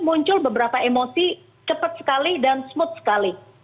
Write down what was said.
muncul beberapa emosi cepat sekali dan smooth sekali